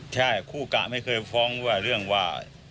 ใช่คู่กะไม่เคยฟ้องว่าเรื่องว่า